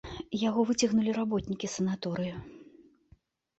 Яго выцягнулі работнікі санаторыю.